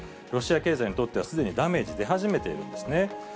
ロシア経済にとっては、すでにダメージ出始めているんですね。